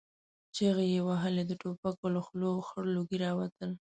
چيغې يې وهلې، د ټوپکو له خولو خړ لوګي را وتل.